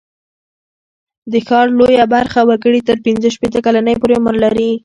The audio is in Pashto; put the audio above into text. د ښار لویه برخه وګړي تر پینځه شپېته کلنۍ پورته عمر لري.